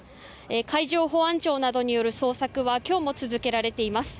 海上保安庁などによる捜索は今日も続けられています。